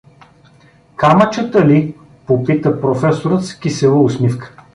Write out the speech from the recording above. — Камъчета ли? — попита професорът с кисела усмивка.